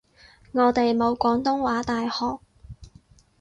我哋冇廣東話大學